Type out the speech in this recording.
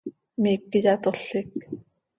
Miiqui yatolec.